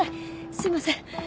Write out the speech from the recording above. すいません。